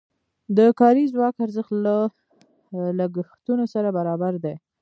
د کاري ځواک ارزښت له لګښتونو سره برابر دی.